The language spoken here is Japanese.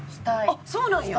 あっそうなんや！